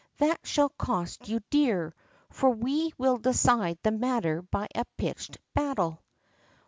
That shall cost you dear, for we will decide the matter by a pitched battle."